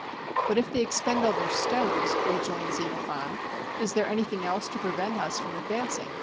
"But if they expend all their stones," rejoined Xenophon, "is there anything else to prevent us from advancing?